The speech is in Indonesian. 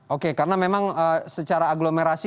oke karena memang secara agglomerasi